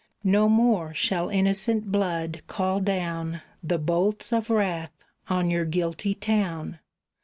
No more shall innocent blood call down The bolts of wrath on your guilty town.